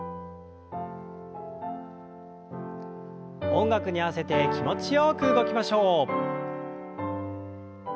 音楽に合わせて気持ちよく動きましょう。